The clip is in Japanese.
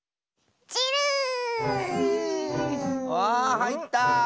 わあはいった！